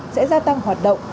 sẽ gia tăng hoạt động